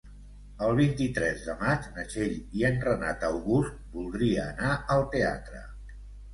El vint-i-tres de maig na Txell i en Renat August voldria anar al teatre.